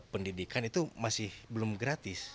pendidikan itu masih belum gratis